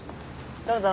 どうぞ。